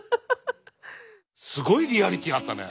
すごいリアリティーあったね。